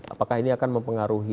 apakah ini akan mempengaruhi